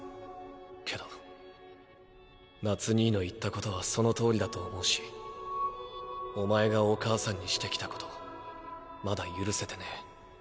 けど夏兄の言ったことはその通りだと思うしおまえがお母さんにしてきたことまだ許せてねぇ。